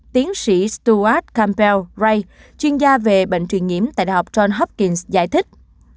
tiến sĩ stuart campbell ray chuyên gia về bệnh truyền nhiễm tại đại học john hopkins giải thích